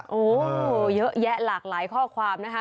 โอ้โหเยอะแยะหลากหลายข้อความนะคะ